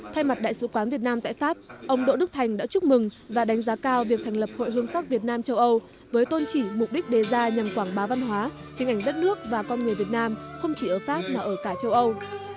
thay mặt đại sứ quán việt nam tại pháp ông đỗ đức thành đã chúc mừng và đánh giá cao việc thành lập hội hương sắc việt nam châu âu với tôn trị mục đích đề ra nhằm quảng bá văn hóa hình ảnh đất nước và con người việt nam không chỉ ở pháp mà ở cả châu âu